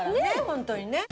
ホントにね。